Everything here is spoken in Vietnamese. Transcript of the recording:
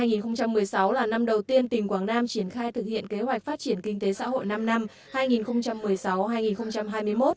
năm hai nghìn một mươi sáu là năm đầu tiên tỉnh quảng nam triển khai thực hiện kế hoạch phát triển kinh tế xã hội năm năm hai nghìn một mươi sáu hai nghìn hai mươi một